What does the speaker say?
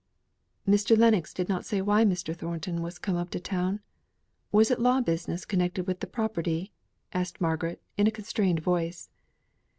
"Mr. Lennox did not say why Mr. Thornton was come up to town? Was it law business connected with the property?" asked Margaret, in a constrained voice.